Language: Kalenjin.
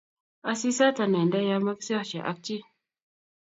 Asisat anende ya makisosie ak chii